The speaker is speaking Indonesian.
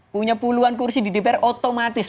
punya puluhan kursi di dpr otomatis